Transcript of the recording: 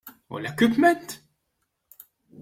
U l-equipment?